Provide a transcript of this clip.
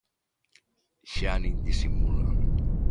Xa nin disimulan.